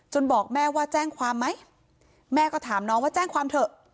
บอกแม่ว่าแจ้งความไหมแม่ก็ถามน้องว่าแจ้งความเถอะ